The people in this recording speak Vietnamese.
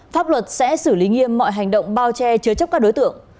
pháp luật sẽ xử lý nghiêm mọi hành động bao che chứa chấp các đối tượng